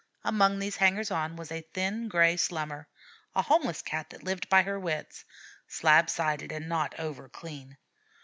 Among these hangers on was a thin gray Slummer, a homeless Cat that lived by her wits slab sided and not over clean.